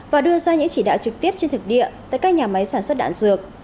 và đưa ra những chỉ đạo trực tiếp trên thực địa tại các nhà máy sản xuất đạn dược